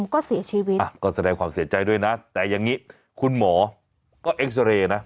ก็เสียชีวิตก็แสดงความเสียใจด้วยนะแต่อย่างนี้คุณหมอก็เอ็กซาเรย์นะ